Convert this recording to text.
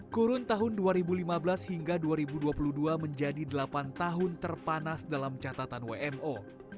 kurun tahun dua ribu lima belas hingga dua ribu dua puluh dua menjadi delapan tahun terpanas dalam catatan wmo